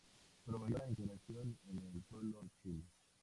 Promovió la integración con el pueblo de Chile.